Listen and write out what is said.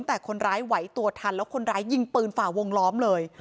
แต่คนร้ายไหวตัวทันแล้วคนร้ายยิงปืนฝ่าวงล้อมเลย